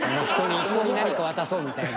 人に何か渡そうみたいな。